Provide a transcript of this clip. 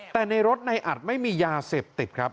แต่ในรถในอัดไม่มียาเสพติดครับ